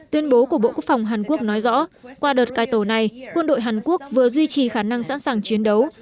tuyên bố của bộ quốc phòng hàn quốc nói rõ qua đợt cải tổ này quân đội hàn quốc vừa duy trì khả năng sẵn sàng chiến đấu